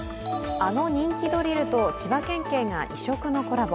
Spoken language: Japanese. あの人気ドリルと千葉県警が異色のコラボ。